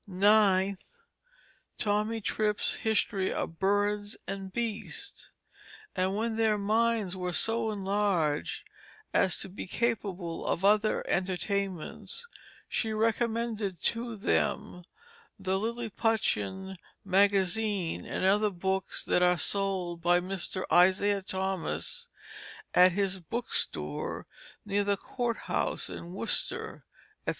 9th, Tommy Trip's History of Birds and Beasts. And when their minds were so enlarged as to be capable of other entertainments she recommended to Them the Lilliputian Magazine and other Books that are sold by Mr. Isaiah Thomas at his Book Store near the Court House in Worcester, &c.